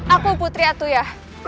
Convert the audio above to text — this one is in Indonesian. aku putri atuya